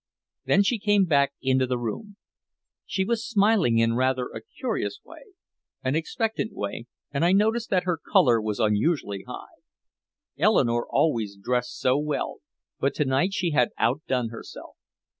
Then she came back into the room. She was smiling in rather a curious way, an expectant way, and I noticed that her color was unusually high. Eleanore always dressed so well, but to night she had outdone herself.